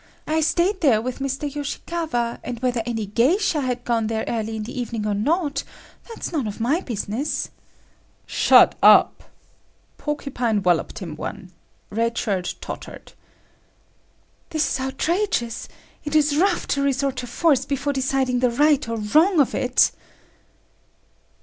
I stayed there with Mr. Yoshikawa, and whether any geisha had gone there early in the evening or not, that's none of my business." "Shut up!" Porcupine wallopped him one. Red Shirt tottered. "This is outrageous! It is rough to resort to force before deciding the right or wrong of it!"